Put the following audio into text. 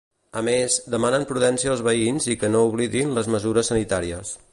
A més, demanen prudència als veïns i que no oblidin les mesures sanitàries.